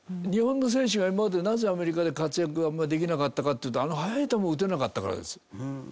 日本の選手が今までなぜアメリカで活躍があんまりできなかったかっていうとあの速い球を打てなかったからです。